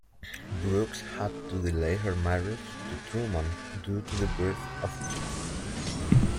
Brooks had to delay her marriage to Truman, due to the birth of Kiki.